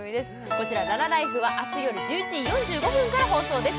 こちら「ララＬＩＦＥ」は明日夜１１時４５分から放送です